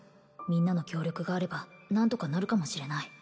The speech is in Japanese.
みんなの協力があれば何とかなるかもしれない